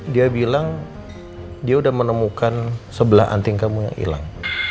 dia bilang dia udah menemukan sebelah anting kamu yang hilang